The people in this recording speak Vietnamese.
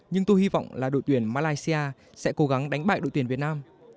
nhưng tôi hy vọng là đội tuyển malaysia sẽ cố gắng đánh bại đội tuyển việt nam